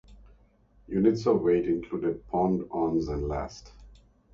Units of weight included the "pond", "ons" and "last".